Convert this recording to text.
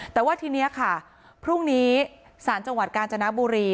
แต่ว่าทีนี้ค่ะพรุ่งนี้ศาลจังหวัดกาญจนบุรี